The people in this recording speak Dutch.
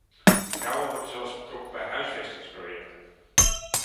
Vrouwen worden zelfs betrokken bij huisvestingsprojecten.